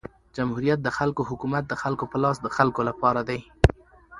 جمهوریت د خلکو حکومت د خلکو په لاس د خلکو له پاره دئ.